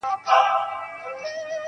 • چي په شا یې د عیبونو ډک خورجین دی -